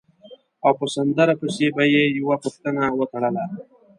او په سندره پسې به یې یوه پوښتنه وتړله.